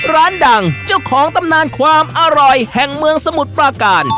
ร้านดังเจ้าของตำนานความอร่อยแห่งเมืองสมุทรปราการ